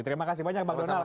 terima kasih banyak bang donald